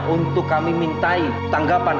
untuk kami minta tanggapan